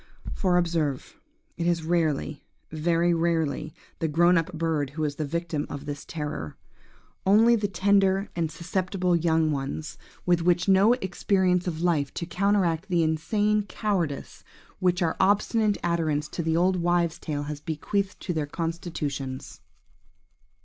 For, observe, it is rarely–very rarely–the grownup bird who is the victim of this terror. Only the tender and susceptible young ones, with no experience of life to counteract the insane cowardice which our obstinate adherence to the old wife's tale has bequeathed to their constitutions.